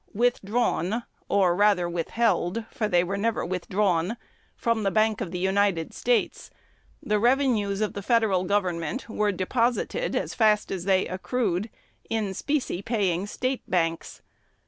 Withdrawn, or rather withheld (for they were never withdrawn), from the Bank of the United States, the revenues of the Federal Government were deposited as fast as they accrued in specie paying State banks.